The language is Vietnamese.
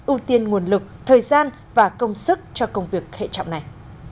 ưu tiên nguồn lực thời gian và công sức cho công việc hệ trọng này